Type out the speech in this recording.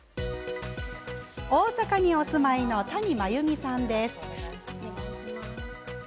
大阪にお住まいの谷真由美さん。